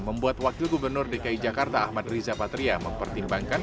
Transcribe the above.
membuat wakil gubernur dki jakarta ahmad riza patria mempertimbangkan